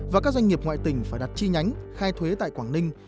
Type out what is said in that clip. và các doanh nghiệp ngoại tỉnh phải đặt chi nhánh khai thuế tại quảng ninh